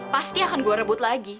pasti akan gue rebut lagi